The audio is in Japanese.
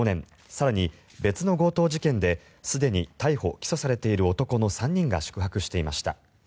更に、別の強盗事件ですでに逮捕・起訴されている男の３人が宿泊していました。